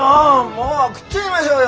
もう食っちゃいましょうよ